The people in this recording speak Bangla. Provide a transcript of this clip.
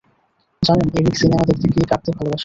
জানেন, এরিক সিনেমা দেখতে গিয়ে কাঁদতে ভালোবাসে।